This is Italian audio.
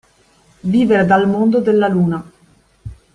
Vivere dal mondo della luna.